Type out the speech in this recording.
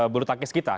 bulu tangkis kita